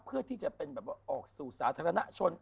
เพื่อที่จะออกสู่สาธารณะชน